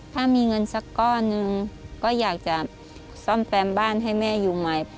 ถ้ามีเงินสักก้อนหนึ่งก็อยากจะซ่อมแซมบ้านให้แม่อยู่ใหม่